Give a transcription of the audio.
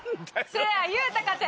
せや言うたかて。